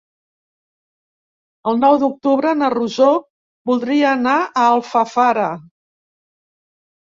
El nou d'octubre na Rosó voldria anar a Alfafara.